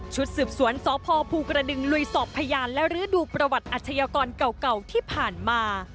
สืบสวนสพภูกระดึงลุยสอบพยานและรื้อดูประวัติอาชญากรเก่าที่ผ่านมา